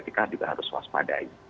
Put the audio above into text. kita juga harus waspadai